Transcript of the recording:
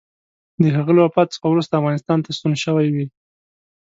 د هغه له وفات څخه وروسته افغانستان ته ستون شوی وي.